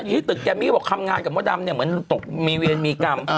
ที่ตึกแกมมี่บอกทำงานกับมดดำเนี่ยเหมือนตกมีเวรมีกรรม